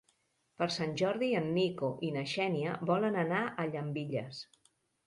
Per Sant Jordi en Nico i na Xènia volen anar a Llambilles.